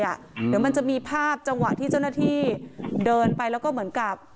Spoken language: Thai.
เดี๋ยวมันจะมีภาพจังหวะที่เจ้าหน้าที่เดินไปแล้วก็เหมือนกับ